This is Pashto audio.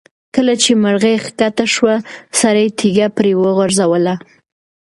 کله چې مرغۍ ښکته شوه، سړي تیږه پرې وغورځوله.